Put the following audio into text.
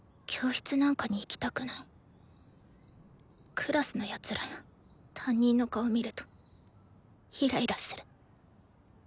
クラスの奴らや担任の顔見るとイライラする。